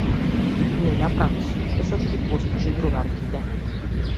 Нена прави сок за да ги послужи другарките.